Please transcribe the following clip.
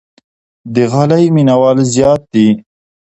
د غالۍ مینوال زیات دي.